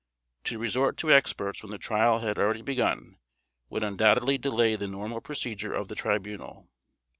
To resort to experts when the Trial had already begun, would undoubtedly delay the normal procedure of the Tribunal.